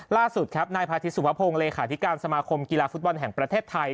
ล่าสุดครับนายพาทิตสุภพงศ์เลขาธิการสมาคมกีฬาฟุตบอลแห่งประเทศไทย